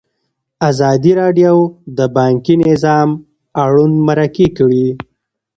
ازادي راډیو د بانکي نظام اړوند مرکې کړي.